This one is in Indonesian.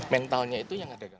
mentalnya itu yang ada